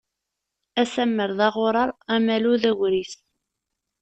Asammer d aɣuṛaṛ, amalu d agris.